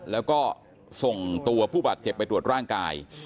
แล้วก็ส่งตัวผู้บาดเจ็บไปตรวจร่างกาย